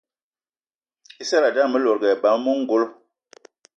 I seradé ame lòdgì eba eme ongolo.